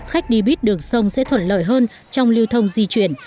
khách đi buýt đường sông sẽ thuận lợi hơn trong lưu thông di chuyển